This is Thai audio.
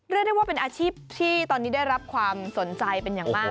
เรียกได้ว่าเป็นอาชีพที่ตอนนี้ได้รับความสนใจเป็นอย่างมาก